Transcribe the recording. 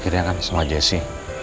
akhirnya kan sama jessi